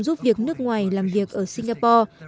giúp việc nước ngoài làm việc ở singapore